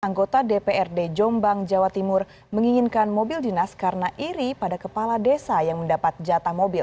anggota dprd jombang jawa timur menginginkan mobil dinas karena iri pada kepala desa yang mendapat jatah mobil